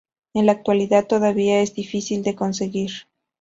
En la actualidad todavía es difícil de conseguir.